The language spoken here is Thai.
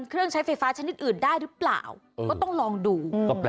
ใช้ไฟฟ้าชนิดอื่นได้หรือเปล่าก็ต้องลองดู